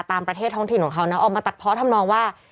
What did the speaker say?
ประเทศท้องถิ่นของเขานะออกมาตัดเพาะทำนองว่า